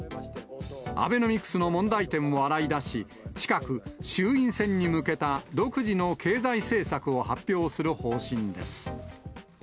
アベノミクスの問題点を洗いだし、近く、衆院選に向けた独自の経済政策を発表する方針です。